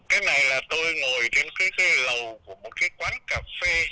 cái này là tôi ngồi trên cái cây lầu của một cái quán cà phê